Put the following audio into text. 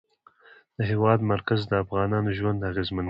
د هېواد مرکز د افغانانو ژوند اغېزمن کوي.